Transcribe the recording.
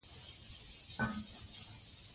راځئ چې د رښتيا په لور ګام واخلو.